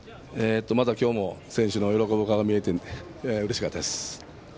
まだ今日も選手の喜ぶ顔が見れてうれしかったです。